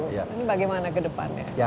ini bagaimana ke depannya